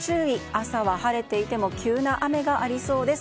朝は晴れていても急な雨がありそうです。